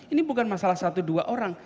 ini bukan masalah satu dua orang